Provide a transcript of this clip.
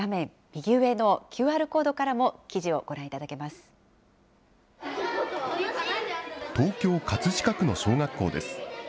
右上のＱＲコードからも記事東京・葛飾区の小学校です。